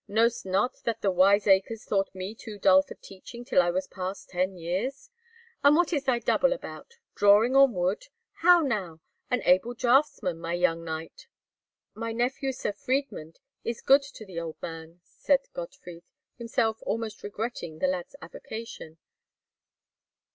"Knowst not that the wiseacres thought me too dull for teaching till I was past ten years? And what is thy double about? Drawing on wood? How now! An able draughtsman, my young knight?" "My nephew Sir Friedmund is good to the old man," said Gottfried, himself almost regretting the lad's avocation.